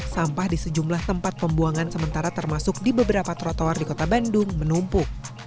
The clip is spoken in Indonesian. sampah di sejumlah tempat pembuangan sementara termasuk di beberapa trotoar di kota bandung menumpuk